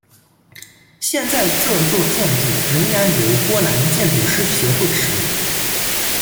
现在这座建筑仍然由波兰建筑师协会使用。